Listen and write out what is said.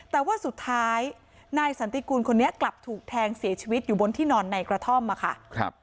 แต่ว่าสุดท้ายนายสันติกูลคนนี้กลับถูกแทงเสียชีวิตอยู่บนที่นอนในกระท่อมค่ะ